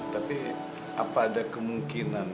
tapi apa ada kemungkinan